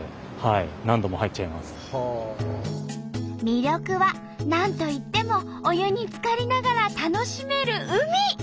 魅力は何といってもお湯につかりながら楽しめる海。